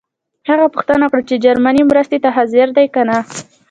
هغه پوښتنه وکړه چې جرمني مرستې ته حاضر دی کنه.